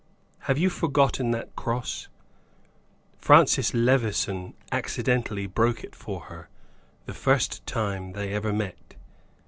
Have you forgotten that cross? Francis Levison accidentally broke it for her, the first time they ever met.